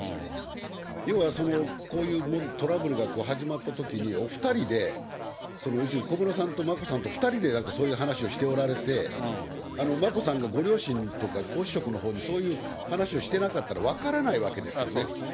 要はその、こういうトラブルが始まったときに、お２人で要するに小室さんと眞子さんと２人でそういう話をされていて、眞子さんがご両親とか、皇嗣職のほうにそういう話をしてなかったら、分からないわけですよね。